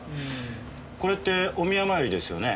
これってお宮参りですよね？